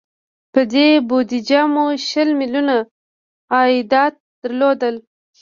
په دې بودجه مو شل میلیونه عایدات درلودل.